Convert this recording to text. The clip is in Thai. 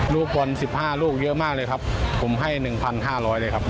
ลูกบอลสิบห้ารูกเยอะมากเลยผมให้๑๕๐๐บาทเลยครับ